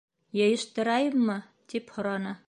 — Йыйыштырайыммы? — тип һораны.